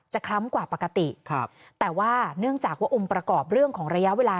คล้ำกว่าปกติครับแต่ว่าเนื่องจากว่าองค์ประกอบเรื่องของระยะเวลา